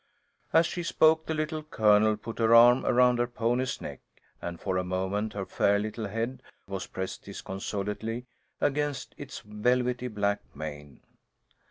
As she spoke, the Little Colonel put her arm around her pony's neck, and for a moment her fair little head was pressed disconsolately against its velvety black mane.